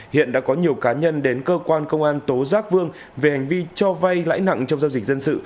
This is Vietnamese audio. hiện đã có nhiều cá nhân đến cơ quan công an tố giác vương về hành vi cho vay lãi nặng trong giao dịch dân sự